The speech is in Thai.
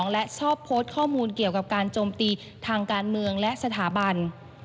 และชอบโพสต์ข้อมูลเกี่ยวกับการโจมตีทางการเมืองและสถาบัน